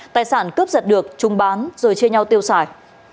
tài sản cướp giật được trung bán rồi chia nhau tiêu xài